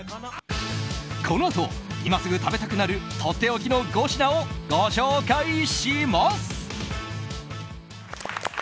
このあと、今すぐ食べたくなるとっておきの５品をご紹介します。